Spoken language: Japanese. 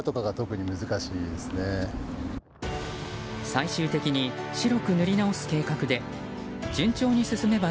最終的に白く塗り直す計画で順調に進めば